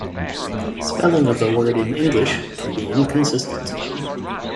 Spelling of the word in English can be inconsistent.